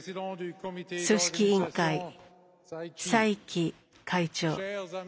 組織委員会、蔡奇会長。